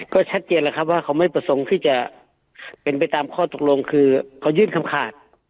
ก็ชัดเจนแล้วครับว่าเขาไม่ประสงค์ที่จะเป็นไปตามข้อตกลงคือเขายื่นคำขาด